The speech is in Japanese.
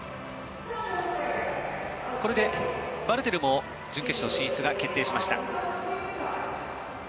これでバルテルも準決勝進出が決定しました。